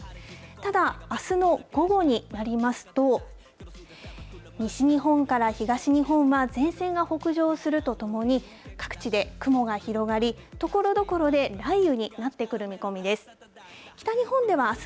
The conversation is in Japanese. ただあすの午後になりますと、西日本から東日本は前線が北上するとともに、各地で雲が広がり、ところどころで雷雨になってくる見込みです。